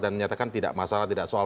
dan menyatakan tidak masalah tidak soal